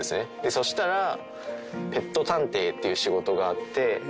そしたら、ペット探偵っていう仕事があって。